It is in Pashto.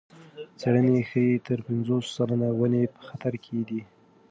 څېړنې ښيي تر پنځوس سلنه ونې په خطر کې دي.